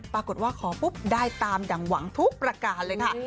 ปรากฏว่าขอปุ๊บได้ตามดั่งหวังทุกประการเลยค่ะ